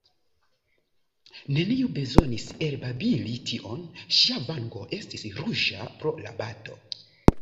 Neniu bezonis elbabili tion; ŝia vango estis ruĝa pro la bato.